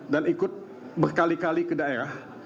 dan ikut berkali kali ke daerah